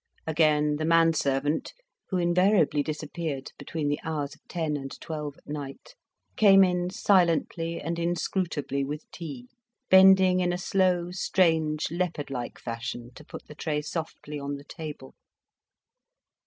Again the man servant—who invariably disappeared between the hours of ten and twelve at night—came in silently and inscrutably with tea, bending in a slow, strange, leopard like fashion to put the tray softly on the table.